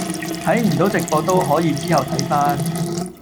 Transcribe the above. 睇唔到直播都可以之後睇返。